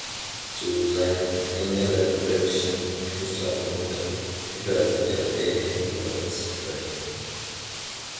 Zu seinen engeren römischen Künstlerfreunden gehörte der Däne Lorenz Fröhlich.